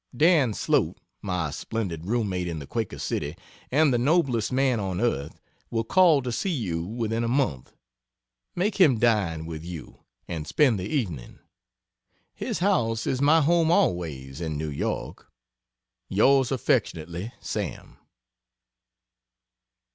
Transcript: Dan Slote, my splendid room mate in the Quaker City and the noblest man on earth, will call to see you within a month. Make him dine with you and spend the evening. His house is my home always in. New York. Yrs affy, SAM.